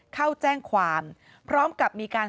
เข้าแจ้งความพร้อมกับมีการ